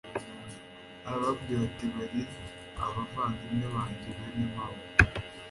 arababwira ati bari abavandimwe banjye, bene mama